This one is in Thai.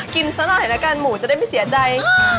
กินสักหน่อยแล้วกันหมูจะได้ไม่เสียใจ